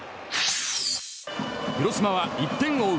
広島は１点を追う